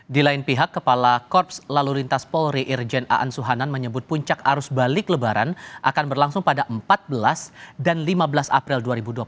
di lain pihak kepala korps lalu lintas polri irjen aan suhanan menyebut puncak arus balik lebaran akan berlangsung pada empat belas dan lima belas april dua ribu dua puluh tiga